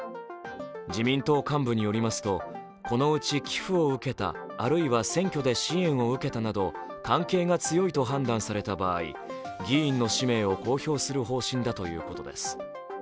自民党幹部によりますとこのうち寄付を受けたあるいは選挙で支援を受けたなど、関係が強いと判断された場合、議員の氏名を公表する方針だということです。